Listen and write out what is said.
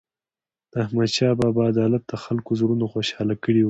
د احمدشاه بابا عدالت د خلکو زړونه خوشحال کړي وو.